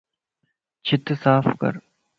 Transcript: ڇتَ صاف ڪَر